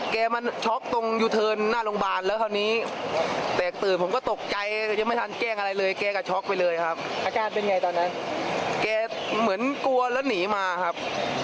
แกบอกว่าไปกินเหล้ามาครับ